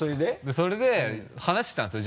それで話してたんですよ